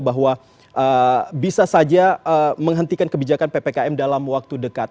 bahwa bisa saja menghentikan kebijakan ppkm dalam waktu dekat